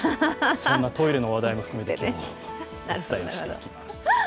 そんなトイレの話題も含めて今日はお伝えしていきます。